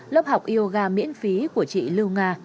lớp học yoga miễn phí của chị lưu nga